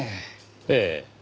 ええ。